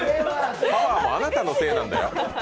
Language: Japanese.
パワーもあなたのせいなんだよ。